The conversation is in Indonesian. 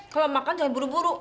kalau makan jangan buru buru